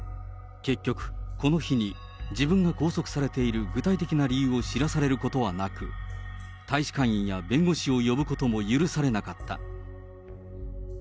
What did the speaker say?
結局、この日に自分が拘束されている具体的な理由を知らされることはなく、大使館員や弁護士を呼ぶことも許されなかった。